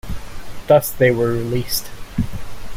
Thus they were released.